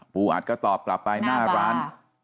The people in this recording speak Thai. อัดก็ตอบกลับไปหน้าร้าน